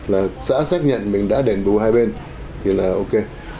là xã xác nhận mình đã đền bù hai bên thì là ok